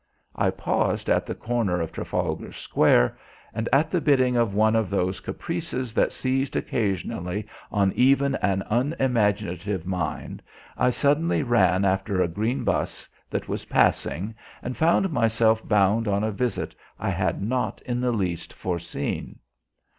I paused at the corner of Trafalgar Square, and at the bidding of one of those caprices that seize occasionally on even an unimaginative mind, I suddenly ran after a green 'bus that was passing, and found myself bound on a visit I had not in the least foreseen.